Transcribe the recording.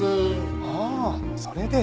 ああそれで。